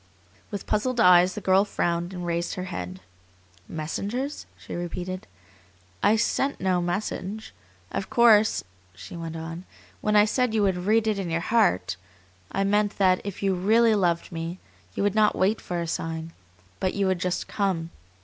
With puzzled eyes the girl frowned and raised her head. "Messengers?" she repeated. "I sent no message. Of course," she went on, "when I said you would 'read it in your heart' I meant that if you REALLY loved me you would not wait for a sign, but you would just COME!"